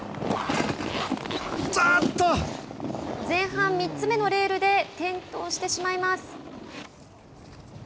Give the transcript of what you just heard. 前半３つ目のレールで転倒してしまいます。